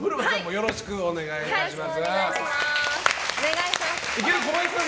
よろしくお願いします！